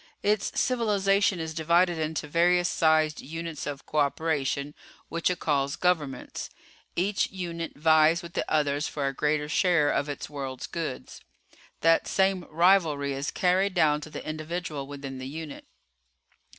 "Its civilization is divided into various sized units of cooperation which it calls governments. Each unit vies with the others for a greater share of its world's goods. That same rivalry is carried down to the individual within the unit.